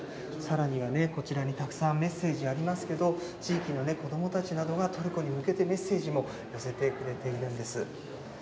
さらにはね、こちらにたくさんメッセージがありますけれども、地域の子どもたちなどが、トルコに向けてメッセージも寄せてくれているんです。